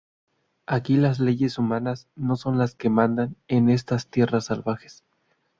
Aquí las leyes humanas no son las que mandan en estas tierras salvajes.